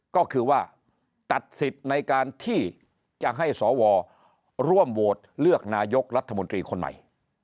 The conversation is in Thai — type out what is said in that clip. ก็คือว่าตัดสิทธิ์ในการที่จะให้สวร่วมโหวตเลือกนายกรัฐมนตรีคนใหม่